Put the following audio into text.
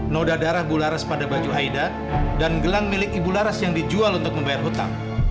noda darah bularas pada baju aida dan gelang milik ibu laras yang dijual untuk membayar hutang